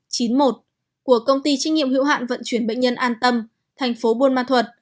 của công ty trinh nghiệm hữu hạn vận chuyển bệnh nhân an tâm thành phố buôn ma thuật